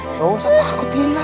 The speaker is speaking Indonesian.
gak usah takut tina